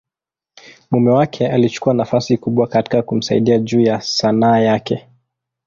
mume wake alichukua nafasi kubwa katika kumsaidia juu ya Sanaa yake.